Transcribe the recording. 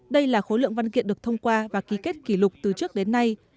đây là khối lượng văn kiện được thông qua và ký kết kỷ lục từ trước đến nay